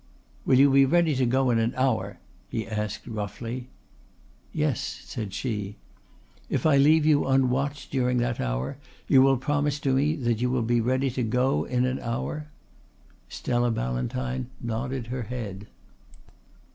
"Will you be ready to go in an hour?" he asked roughly. "Yes," said she. "If I leave you unwatched during that hour you will promise to me that you will be ready to go in an hour?" Stella Ballantyne nodded her head.